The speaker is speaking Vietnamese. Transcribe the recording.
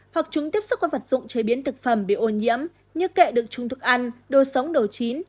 hoặc chúng tiếp xúc với vật dụng chế biến thực phẩm bị ô nhiễm như kệ đựng trùng thực ăn đồ sống đồ chín